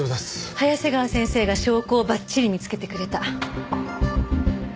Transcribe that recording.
早瀬川先生が証拠をばっちり見つけてくれた。